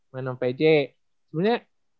main sama pj sebenernya